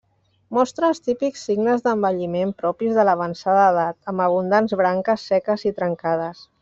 Mostra els típics signes d'envelliment propis de l'avançada edat, amb abundants branques seques i trencades.